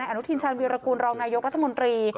แอนดูทีชาญมีรกุลรองนายกรุงตัวรัฐมนตรี